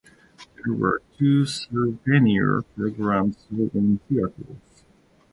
There were two souvenir programs sold in theatres.